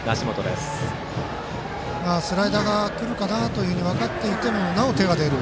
スライダーが来るかなと分かっていてもなお手が出る。